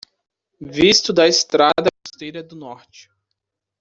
Visto da estrada costeira do norte